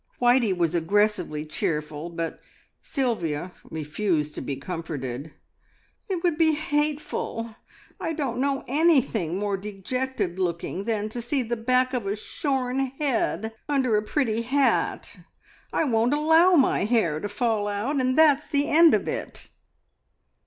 Whitey was aggressively cheerful, but Sylvia refused to be comforted. "It would be hateful. I don't know anything more dejected looking than to see the back of a shorn head under a pretty hat. I won't allow my hair to fall out, and that's the end of it!"